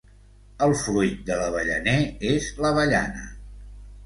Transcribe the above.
El fruit de l"avellaner és l"avellana.